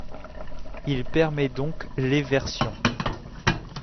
Il permet donc l'éversion.